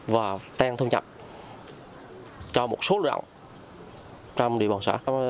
và tên thu nhập cho một số lưu động trong địa bàn xã